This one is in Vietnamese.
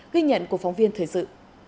ghi nhận của phóng viên thời sự